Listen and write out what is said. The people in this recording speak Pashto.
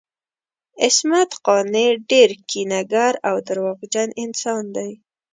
عصمت قانع ډیر کینه ګر او درواغجن انسان دی